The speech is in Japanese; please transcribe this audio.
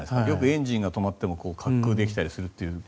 エンジンが止まっても滑空できたりするっていう。